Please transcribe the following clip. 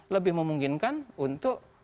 lebih memungkinkan untuk